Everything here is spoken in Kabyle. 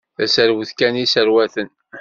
D aserwet kan i sserwaten.